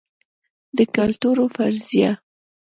د کلتور فرضیه